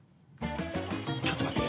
ちょっと待ってて。